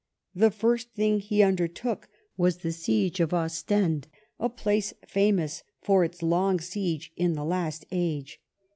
The first thing he undertook was the siege of Ostend, a place famous for its long siege in the last age.